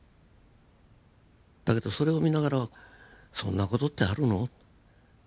だけどそれを見ながらそんな事ってあるの？